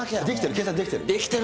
計算できてる。